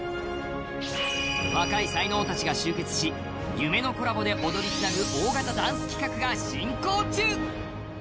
若い才能たちが集結し夢のコラボで踊りつなぐ大型ダンス企画が進行中